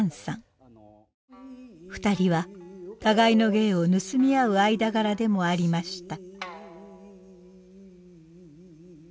２人は互いの芸を盗み合う間柄でもありました。